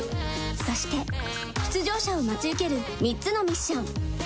そして出場者を待ち受ける３つのミッション。